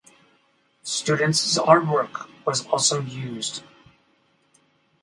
Students' artwork was also used.